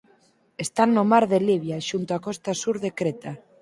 Están no mar de Libia xunto á costa sur de Creta.